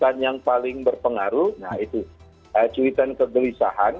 tweet an yang paling berpengaruh nah itu tweet an kegelisahan